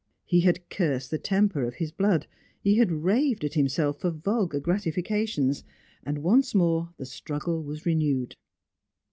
He had cursed the temper of his blood; he had raved at himself for vulgar gratifications; and once more the struggle was renewed.